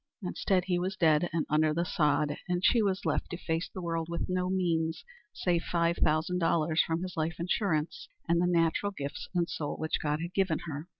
Instead he was dead and under the sod, and she was left to face the world with no means save $5,000 from his life insurance and the natural gifts and soul which God had given her.